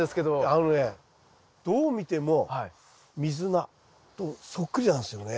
あのねどう見てもミズナとそっくりなんですよね。